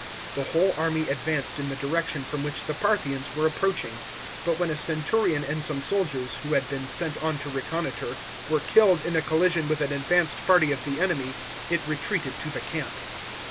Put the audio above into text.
The whole army advanced in the direction from which the Parthians were approaching, but when a centurion and some soldiers, who had been sent on to reconnoitre, were killed in a collision with an advanced party of the enemy, it retreated to the camp.